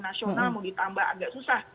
nasional mau ditambah agak susah